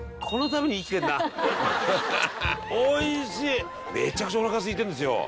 めちゃくちゃおなかすいてるんですよ。